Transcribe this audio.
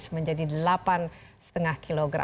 menjadi delapan lima kg